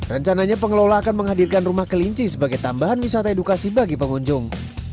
rencananya pengelola akan menghadirkan rumah kelinci sebagai tambahan wisata edukasi bagi pengunjung